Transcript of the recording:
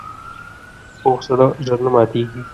پوخ زړه ژر نه ماتیږي